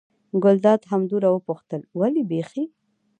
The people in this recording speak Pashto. ګلداد همدومره وپوښتل: ولې بېخي.